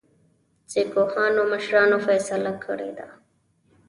د سیکهانو مشرانو فیصله کړې ده.